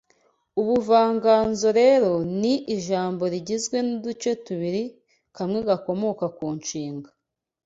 Ubuvanganzo rero ni ijambo rigizwe n’uduce tubiri kamwe gakomoka ku nshinga